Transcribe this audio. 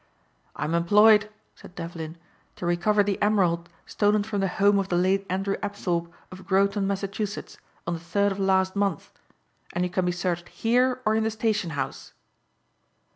"I'm employed," said Devlin, "to recover the emerald stolen from the home of the late Andrew Apthorpe of Groton, Massachusetts, on the third of last month, and you can be searched here or in the station house."